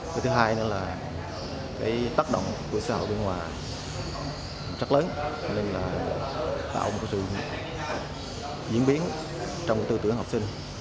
cái thứ hai nữa là cái tác động của xã hội bên ngoài rất lớn cho nên là tạo một sự diễn biến trong tư tưởng học sinh